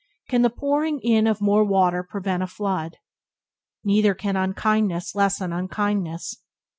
Can the pouring in of more water prevent a flood? Neither can unkindness lessen unkindness.